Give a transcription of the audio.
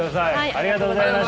ありがとうございます。